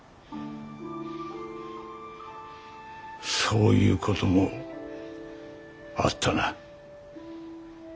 そういうこともあったな。